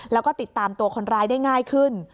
แล้วก็ติดตามตัวคนร้ายได้ง่ายขึ้น